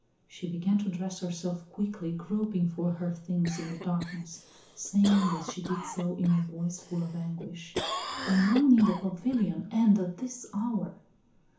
She began to dress herself quickly, groping for her things in the darkness, saying as she did so, in a voice full of anguish: "Alone, in the pavilion, and at this hour!